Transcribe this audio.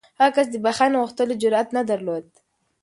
هغه کس د بښنې غوښتلو جرات نه درلود.